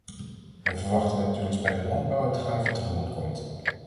We verwachten dat u ons bij de landbouwuitgaven tegemoet komt.